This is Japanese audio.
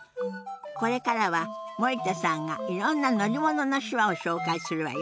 これからは森田さんがいろんな乗り物の手話を紹介するわよ。